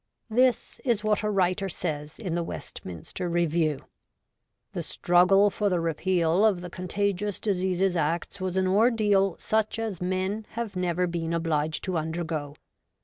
This is what a writer says in the Westminster Review: 'The struggle for the repeal of the Con tagious Diseases Acts was an ordeal such as men have never been obliged to undergo.